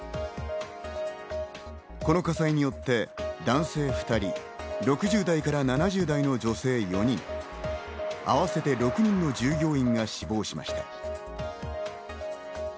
この火災によって男性２人、６０代から７０代の女性４人、合わせて６人の従業員が死亡しました。